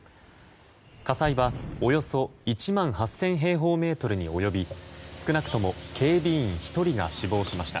火災はおよそ１万８０００平方メートルに及び少なくとも警備員１人が死亡しました。